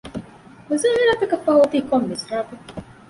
މުޒާހަރާތަކަށް ފަހު އޮތީ ކޮން މިސްރާބެއް؟